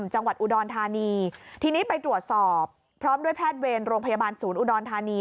จังหวัดอุดรธานีทีนี้ไปตรวจสอบพร้อมด้วยแพทย์เวรโรงพยาบาลศูนย์อุดรธานี